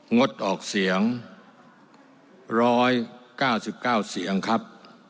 งดออกเสียงร้อยเก้าสิบเก้าเสียงครับ